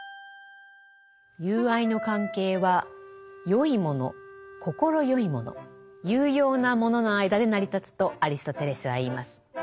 友愛の関係は善いもの快いもの有用なものの間で成り立つとアリストテレスは言います。